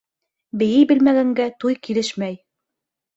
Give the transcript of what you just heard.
Бейей белмәгәнгә туй килешмәй.